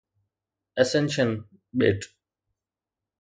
Ascension ٻيٽ